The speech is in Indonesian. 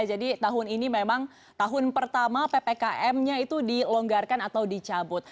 jadi tahun ini memang tahun pertama ppkm nya itu dilonggarkan atau dicabut